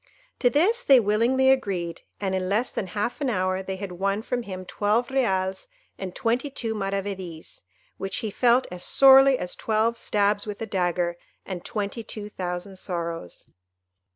To this they willingly agreed, and in less than half an hour they had won from him twelve reals and twenty two maravedis, which he felt as sorely as twelve stabs with a dagger and twenty two thousand sorrows.